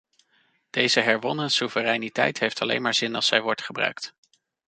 Deze herwonnen soevereiniteit heeft alleen maar zin als zij wordt gebruikt.